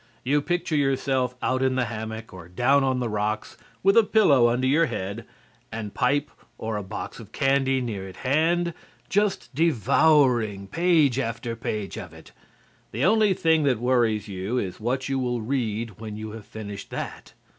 You picture yourself out in the hammock or down on the rocks, with a pillow under your head and pipe or a box of candy near at hand, just devouring page after page of it. The only thing that worries you is what you will read when you have finished that.